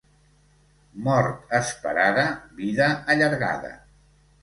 Mort esperada, vida allargada.